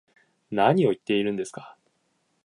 何を言ってるんですか